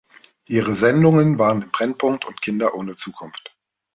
Ihre Sendungen waren Im Brennpunkt und Kinder ohne Zukunft.